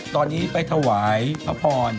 ตอนนี้ไปถวายผ้าผ่อน